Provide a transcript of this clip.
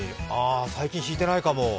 最近ひいてないかも。